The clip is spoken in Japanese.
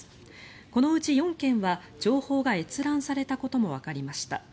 このうち４件は情報が閲覧されたこともわかりました。